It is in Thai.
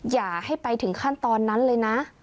อย่าให้ไปถึงขั้นตอนนั้นเลยนะ